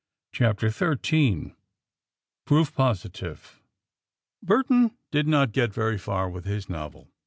CHAPTER XIII PROOF POSITIVE Burton did not get very far with his novel.